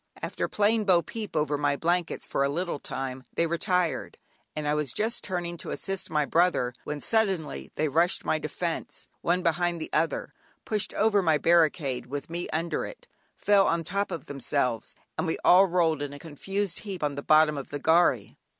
After playing "bo peep" over my blankets for a little time, they retired, and I was just turning to assist my brother, when suddenly, they rushed my defence, one behind the other, pushed over my barricade with me under it, fell on the top themselves, and we all rolled a confused heap on the bottom of the gharry.